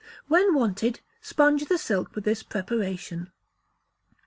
When wanted, sponge the silk with this preparation.